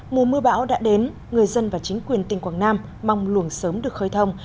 mùa mưa bão đã đến người dân và chính quyền tỉnh quảng nam mong luồng sớm được khơi thông